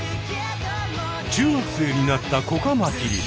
中学生になった子カマキリ